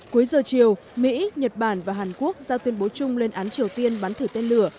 cuối giờ chiều mỹ nhật bản và hàn quốc ra tuyên bố chung lên án triều tiên bắn thử tên lửa